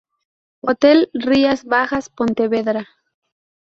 Hotel Rías Bajas, Pontevedra.